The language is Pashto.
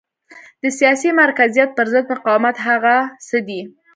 د سیاسي مرکزیت پرضد مقاومت هغه څه دي.